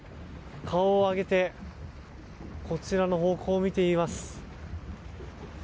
顔を上げてこちらの方向を見ています。